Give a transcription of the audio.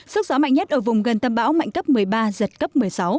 sức gió mạnh nhất ở vùng gần tâm bão mạnh cấp một mươi ba giật cấp một mươi sáu